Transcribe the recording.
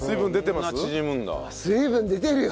水分出てるよ。